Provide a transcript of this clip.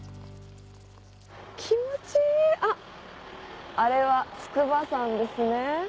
気持ちいいあっあれは筑波山ですね。